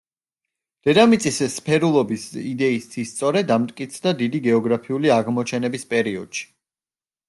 დედამიწის სფერულობის იდეის სისწორე დამტკიცდა დიდი გეოგრაფიული აღმოჩენების პერიოდში.